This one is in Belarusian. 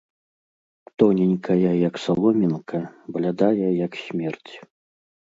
Тоненькая, як саломінка, блядая, як смерць!